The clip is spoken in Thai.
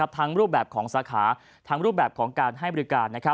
รูปแบบของสาขาทั้งรูปแบบของการให้บริการ